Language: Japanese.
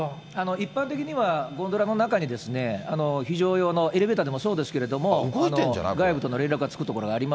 一般的には、ゴンドラの中に非常用の、エレベーターでもそうですけれども、外部との連絡がつく所ありま